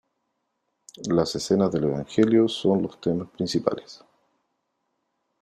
Las escenas del Evangelio son los temas principales.